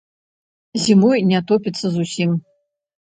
Зімой не топіцца зусім.